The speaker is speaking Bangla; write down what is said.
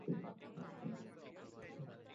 প্রতি দিন তাঁর তিনশ ষাটটি ক্ষণ আছে।